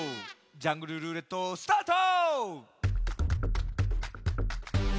「ジャングルるーれっと」スタート！